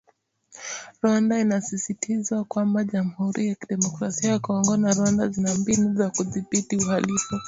Rwanda inasisitizwa kwamba jamhuri ya kidemokrasia ya Kongo na Rwanda zina mbinu za kudhibi uhalifu